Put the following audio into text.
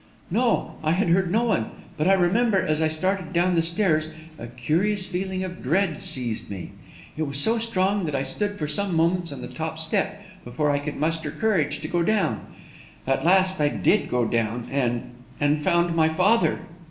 "No, I had heard no one. But I remember, as I started down the stairs, a curious feeling of dread seized me. It was so strong that I stood for some moments on the top step before I could muster courage to go down. At last, I did go down and and found my father!"